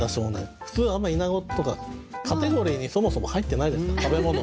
普通あんまイナゴとかカテゴリーにそもそも入ってないじゃないですか食べ物の。